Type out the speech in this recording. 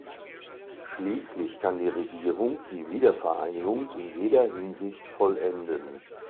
Schließlich kann die Regierung die Wiedervereinigung in jeder Hinsicht vollenden.